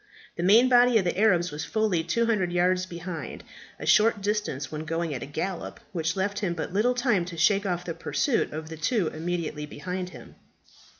The main body of the Arabs was fully 200 yards behind a short distance when going at a gallop which left him but little time to shake off the pursuit of the two immediately behind him.